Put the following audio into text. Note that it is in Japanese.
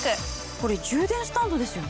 これ充電スタンドですよね？